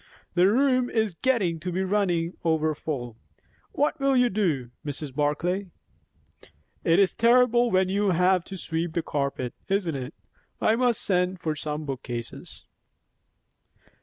"The room is getting to be running over full. What will you do, Mrs. Barclay?" "It is terrible when you have to sweep the carpet, isn't it? I must send for some book cases."